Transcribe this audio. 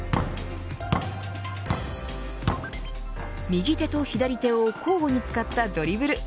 右手と左手を交互に使ったドリブル。